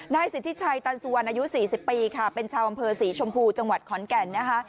สิทธิชัยตันสุวรรณอายุ๔๐ปีค่ะเป็นชาวอำเภอศรีชมพูจังหวัดขอนแก่นนะคะ